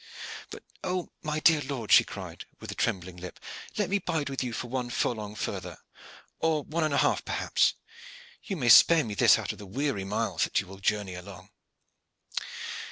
"But oh, my dear lord," she cried with a trembling lip, "let me bide with you for one furlong further or one and a half perhaps. You may spare me this out of the weary miles that you will journey along."